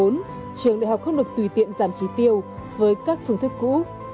trường đại học không được tùy tiện giảm trí tiêu với các phương thức cũ